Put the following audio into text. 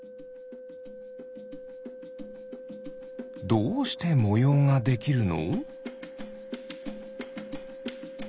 どうしてもようができるの？